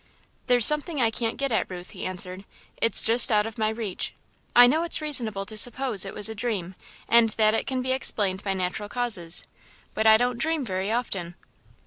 "There's something I can't get at, Ruth," he answered. "It's just out of my reach. I know it's reasonable to suppose it was a dream and that it can be explained by natural causes, but I don't dream very often."